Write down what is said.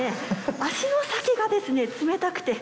足の先がですね冷たくて。